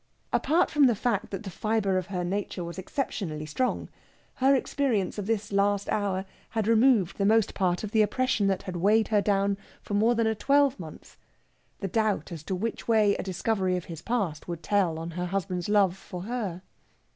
Apart from the fact that the fibre of her nature was exceptionally strong, her experience of this last hour had removed the most part of the oppression that had weighed her down for more than a twelvemonth the doubt as to which way a discovery of his past would tell on her husband's love for her.